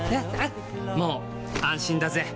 もう安心だぜ！